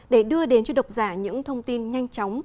để đưa đến cho độc giả những thông tin nhanh chóng